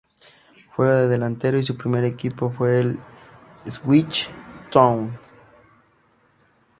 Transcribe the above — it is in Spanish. Juega de delantero y su primer equipo fue el Ipswich Town.